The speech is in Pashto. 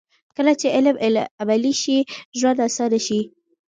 کله چې علم عملي شي، ژوند اسانه شي.